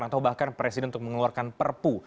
atau bahkan presiden untuk mengeluarkan perpu